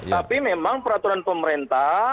tapi memang peraturan pemerintah